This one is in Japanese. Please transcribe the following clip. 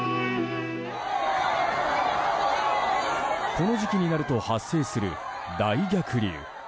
この時期になると発生する大逆流。